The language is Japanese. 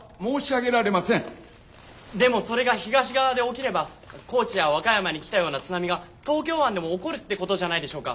でもそれが東側で起きれば高知や和歌山に来たような津波が東京湾でも起こるってことじゃないでしょうか？